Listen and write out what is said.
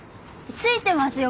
ついてますよ